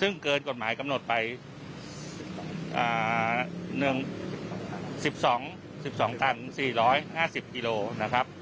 ซึ่งเกินกฎหมายกำหนดไป๑๒๑๒ตัน๔๕๐กิโลนะครับ